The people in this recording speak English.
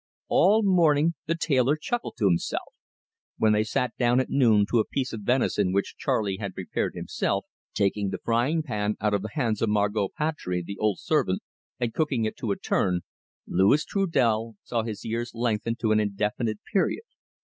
All morning the tailor chuckled to himself. When they sat down at noon to a piece of venison which Charley had prepared himself taking the frying pan out of the hands of Margot Patry, the old servant, and cooking it to a turn Louis Trudel saw his years lengthen to an indefinite period.